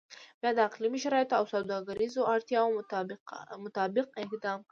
بیا د اقلیمي شرایطو او سوداګریزو اړتیاو مطابق اقدام کوي.